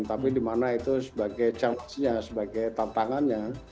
tapi dimana itu sebagai challenge nya sebagai tantangannya